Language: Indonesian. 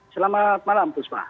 selamat malam pusma